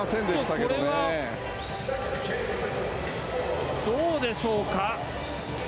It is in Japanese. これはどうでしょうか。